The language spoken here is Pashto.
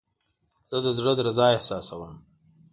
زه د زړه درزا احساسوم.